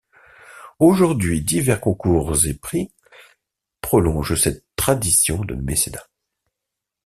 Aujourd'hui, divers concours et prix prolongent cette tradition de mécénat.